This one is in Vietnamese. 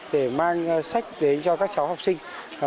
để mang sách đến cho các cháu học sinh